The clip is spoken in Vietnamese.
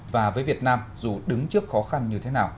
và với việt nam dù đứng trước khó khăn như thế nào